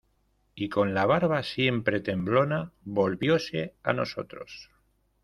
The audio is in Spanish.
y con la barba siempre temblona, volvióse a nosotros: